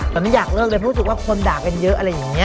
ตอนนี้อยากเลิกเลยเพราะรู้สึกว่าคนด่ากันเยอะอะไรอย่างนี้